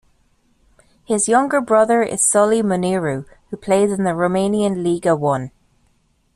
His younger brother is Sulley Muniru, who plays in the Romanian Liga I.